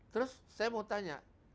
terus saya mau tanya